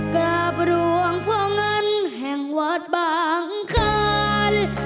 กราบร่วงพวงอันแห่งวัดบางคัน